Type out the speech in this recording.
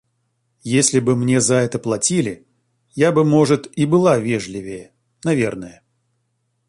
Если бы мне за это платили, я бы может и была вежливее. Наверное.